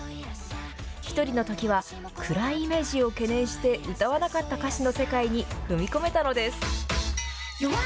１人のときは暗いイメージを懸念して歌わなかった歌詞の世界に踏み込めたのです。